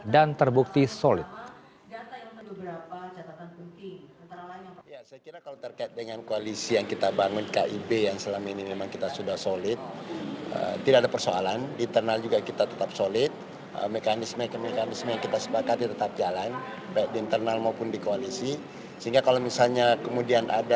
dan terbukti solid